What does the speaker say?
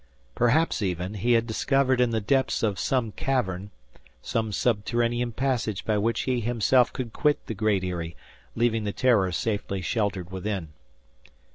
Perhaps even, he had discovered in the depths of some cavern, some subterranean passage by which he himself could quit the Great Eyrie, leaving the "Terror" safely sheltered within.